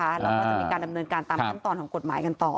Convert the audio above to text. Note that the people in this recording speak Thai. แล้วก็จะมีการดำเนินการตามขั้นตอนของกฎหมายกันต่อ